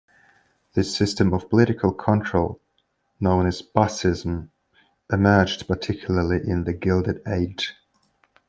This system of political control-known as "bossism"-emerged particularly in the Gilded Age.